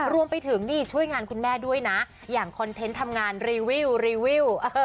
รวมไปถึงนี่ช่วยงานคุณแม่ด้วยนะอย่างคอนเทนต์ทำงานรีวิวรีวิว